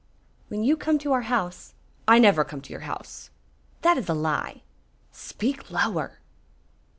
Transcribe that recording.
"When you come to our house " "I never come to your house." "That is a lie." "Speak lower!"